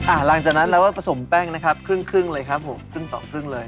หลังจากนั้นเราก็ผสมแป้งนะครับครึ่งครึ่งเลยครับผมครึ่งต่อครึ่งเลย